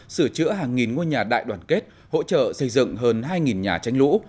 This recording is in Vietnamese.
sửa chữa hàng nghìn ngôi nhà đại đoàn kết hỗ trợ xây dựng hơn hai nhà tranh lũ